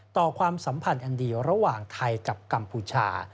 ความสัมพันธ์อันเดียวระหว่างไทยกับกัมพูชา